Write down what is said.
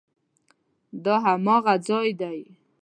دا هماغه ځای دی؟